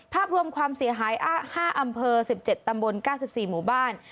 ภาพรวมความเสียหายอ้าห้าอำเภอสิบเจ็ดตำบนก้าสิบสี่หมู่บ้าน